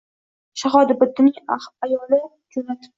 — Shahobiddinning ayoli joʼna-tibdi.